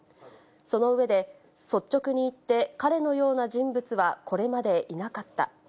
その上で、率直に言って、彼のような人物はこれまでいなかった。